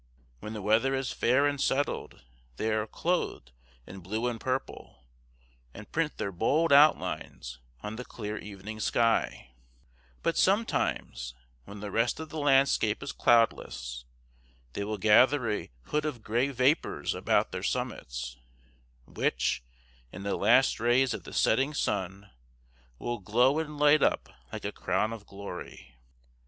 When the weather is fair and settled, they are clothed in blue and purple, and print their bold outlines on the clear evening sky; but sometimes, when the rest of the landscape is cloudless, they will gather a hood of gray vapors about their summits, which, in the last rays of the setting sun, will glow and light up like a crown of glory.